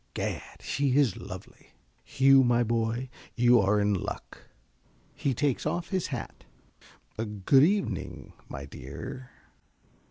_) Gad, she is lovely! Hugh, my boy, you are in luck. (He takes off his hat.) Good evening, my dear!